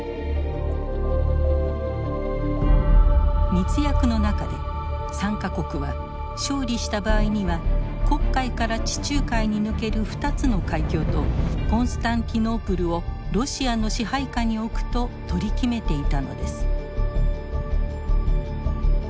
密約の中で３か国は勝利した場合には黒海から地中海に抜ける２つの海峡とコンスタンティノープルをロシアの支配下に置くと取り決めていたのです。